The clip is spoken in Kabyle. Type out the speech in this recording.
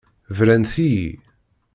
Brant-iyi.